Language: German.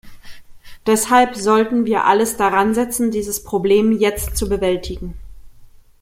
Deshalb sollten wir alles daransetzen, dieses Problem jetzt zu bewältigen.